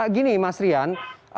gini mas rian